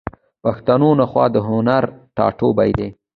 پښتونخوا د هنر ټاټوبی دی.